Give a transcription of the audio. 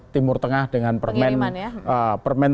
timur tengah dengan permen